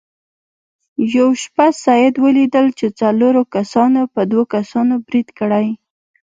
یوه شپه سید ولیدل چې څلورو کسانو په دوو کسانو برید کړی.